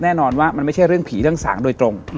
แน่นอนว่ามันไม่ใช่เรื่องผีเรื่องสางโดยตรง